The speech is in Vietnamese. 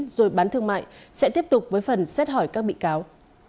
rồi bán thương mại sẽ tiếp tục với phần xét hỏi các bị cáo